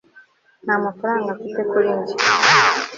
nta mafaranga mfite kuri njye